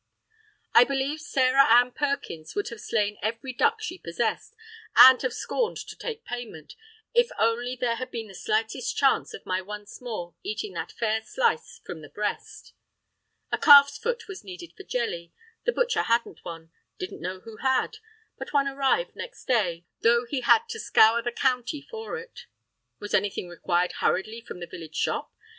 I believe Sarah Ann Perkins would have slain every duck she possessed (and have scorned to take payment), if only there had been the slightest chance of my once more eating that fair slice from the breast! A calf's foot was needed for jelly. The butcher hadn't one, didn't know who had; but one arrived next day, though he had had to scour the county for it. Was anything required hurriedly from the village shop?